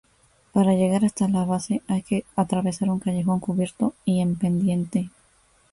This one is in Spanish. Para llegar hasta la base hay que atravesar un callejón cubierto y en pendiente.